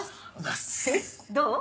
どう？